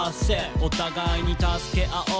「お互いに助け合おう